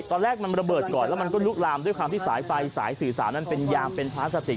ตอนแรกมันระเบิดก่อนแล้วมันก็ลุกลามด้วยความที่สายไฟสายสื่อสารนั้นเป็นยางเป็นพลาสติก